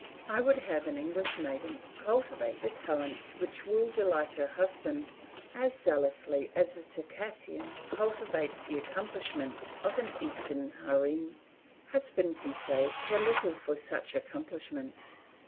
I would have an English maiden cultivate the talents which will delight her husband as zealously as the Circassian cultivates the accomplishments of an Eastern harem. Husbands, you say, care little for such accomplishments.